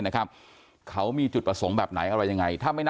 เค้ามีจุดประสงค์แบบไหน